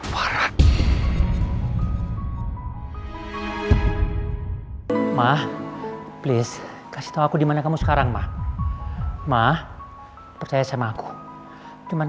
marah mah please kasih tahu aku dimana kamu sekarang mah percaya sama aku cuman